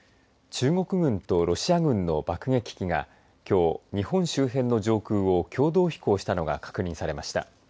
中国軍とロシア軍の爆撃機が、きょう日本周辺の上空を共同飛行したのが確認されました。